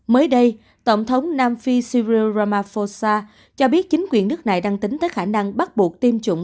mới đây tổng thống nam phi siri ramaphosa cho biết chính quyền nước này đang tính tới khả năng bắt buộc tiêm chủng